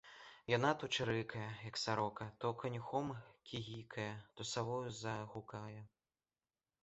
Яна то чырыкае, як сарока, то канюхом кігікае, то савою загукае.